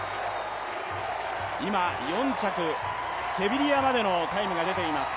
今、４着、セビリアまでのタイムが出ています。